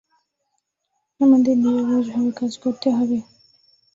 আমাদের নিরলসভাবে কাজ করতে হবে।